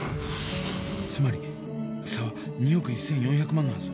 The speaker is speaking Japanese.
つまり差は２億 １，４００ 万のはず